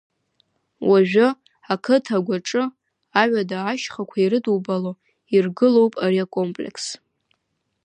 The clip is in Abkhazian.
Уажәы, ақыҭа агәаҿы, аҩада ашьхақәа ирыдубало иргылоуп ари акомплекс.